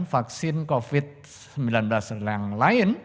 vaksin covid sembilan belas yang lain